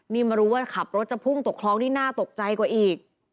นี่มารู้ว่าขับรถจะพุ่งตกคลองนี่น่าตกใจกว่าอีก